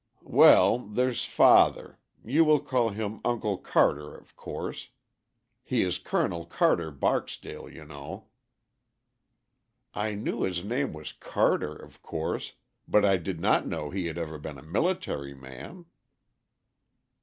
"Well, there's father; you will call him Uncle Carter, of course. He is Col. Carter Barksdale, you know." "I knew his name was Carter, of course, but I did not know he had ever been a military man."